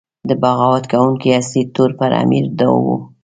د بغاوت کوونکو اصلي تور پر امیر دا و.